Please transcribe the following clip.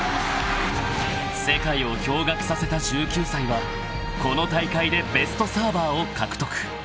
［世界を驚愕させた１９歳はこの大会でベストサーバーを獲得］